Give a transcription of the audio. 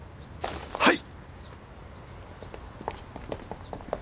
はい！